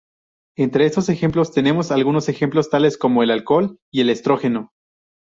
Entre estos últimos tenemos algunos ejemplos tales como el alcohol y el estrógeno.